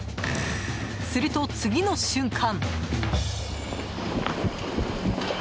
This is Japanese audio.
すると、次の瞬間。